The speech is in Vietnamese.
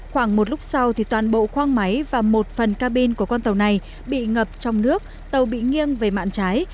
khoảng một lúc sau thì toàn bộ khoang máy và một phần cabin của con tàu này bị ngập trong nước tàu bị nghiêng về mạng trái